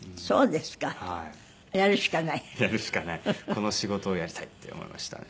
この仕事をやりたいって思いましたね。